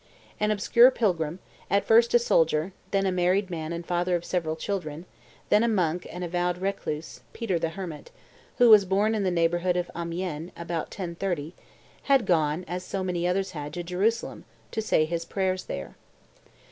An obscure pilgrim, at first a soldier, then a married man and father of several children, then a monk and a vowed recluse, Peter the Hermit, who was born in the neighborhood of Amiens, about 1030, had gone, as so many others had, to Jerusalem "to say his prayers there."